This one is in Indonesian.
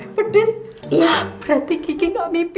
pedas berarti kiki gak mimpi